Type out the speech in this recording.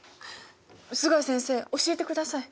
須貝先生教えてください。